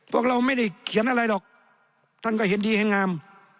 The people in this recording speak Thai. พวกเราไม่ได้เขียนอะไรหรอกท่านก็เห็นดีเห็นงาม